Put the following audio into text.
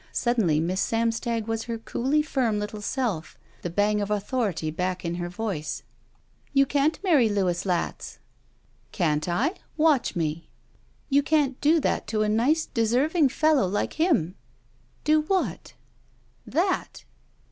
Suddenly Miss Samstag was her coolly firm little self, the bang of authority back in her voice. «4 SHE WALKS IN BEAUTY "You can't marry Louis Latz." '•Can't I? Watch me." *'You can't do that to a nice, deserving fellow like him!" "Do what?" "That!"